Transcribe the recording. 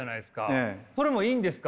それもいいんですか？